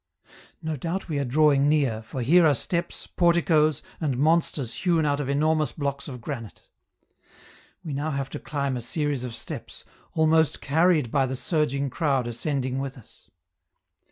No doubt we are drawing near, for here are steps, porticoes and monsters hewn out of enormous blocks of granite. We now have to climb a series of steps, almost carried by the surging crowd ascending with us.